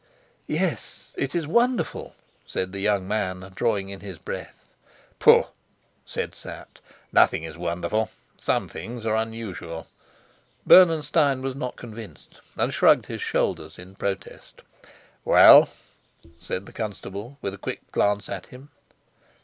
"Yes, it is wonderful," said the young man, drawing in his breath. "Pooh!" said Sapt. "Nothing is wonderful: some things are unusual." Bernenstein was not convinced, and shrugged his shoulders in protest. "Well?" said the constable, with a quick glance at him.